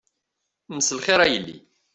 Mselxir a yelli.